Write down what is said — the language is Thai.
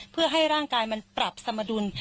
เพื่อให้ร่างกายมันปรับสมดุล